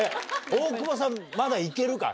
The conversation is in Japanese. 大久保さんまだ行けるか？